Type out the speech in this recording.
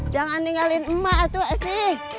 jangan ninggalin emak atuh esi